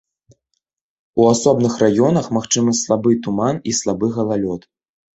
У асобных раёнах магчымы слабы туман і слабы галалёд.